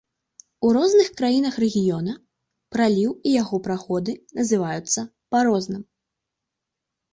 У розных краінах рэгіёна, праліў і яго праходы называюцца па розным.